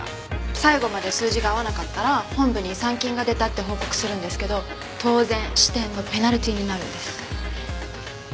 最後まで数字が合わなかったら本部に違算金が出たって報告するんですけど当然支店のペナルティーになるんです。